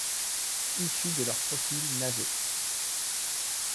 Issu de leur profil Naver.